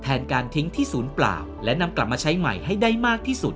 การทิ้งที่ศูนย์เปล่าและนำกลับมาใช้ใหม่ให้ได้มากที่สุด